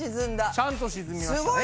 ちゃんと沈みましたね。